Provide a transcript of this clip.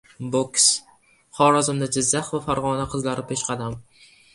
Boks: Xorazmda Jizzax va Farg‘ona qizlari peshqadam